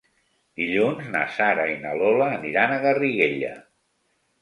Dilluns na Sara i na Lola aniran a Garriguella.